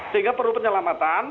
sehingga perlu penyelamatan